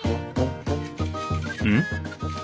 うん？